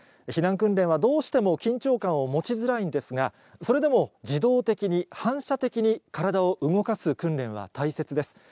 避難訓練はどうしても緊張感を持ちづらいんですが、それでも、自動的に、反射的に体を動かす訓練は大切です。